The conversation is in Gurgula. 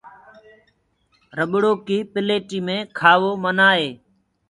رٻڙو ڪيٚ پليٽي مي کآوو منآه هي۔